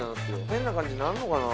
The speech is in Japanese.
変な感じになるのかな？